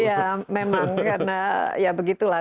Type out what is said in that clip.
ya memang karena ya begitu lah